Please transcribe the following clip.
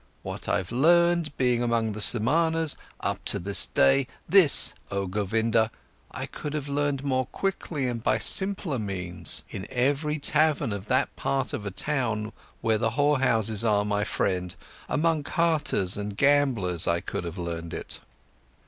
What I've learned, being among the Samanas, up to this day, this, oh Govinda, I could have learned more quickly and by simpler means. In every tavern of that part of a town where the whorehouses are, my friend, among carters and gamblers I could have learned it."